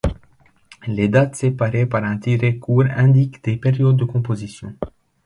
Les dates séparées par un tiret court indiquent des périodes de composition.